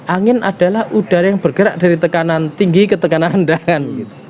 angin adalah udara yang bergerak dari tekanan tinggi ke tekanan rendahan